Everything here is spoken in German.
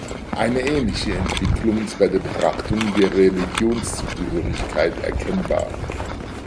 Eine ähnliche Entwicklung ist bei der Betrachtung der Religionszugehörigkeit erkennbar.